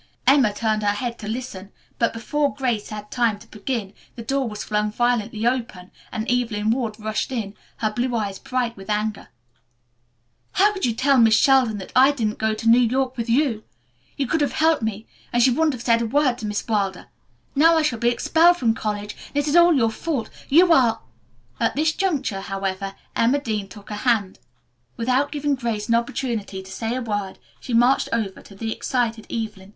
Emma turned her head to listen, but before Grace had time to begin the door was flung violently open and Evelyn Ward rushed in, her blue eyes bright with anger. "How could you tell Miss Sheldon that I didn't go to New York with you? You could have helped me and she wouldn't have said a word to Miss Wilder. Now I shall be expelled from college and it is all your fault. You are " At this juncture, however, Emma Dean took a hand. Without giving Grace an opportunity to say a word she marched over to the excited Evelyn.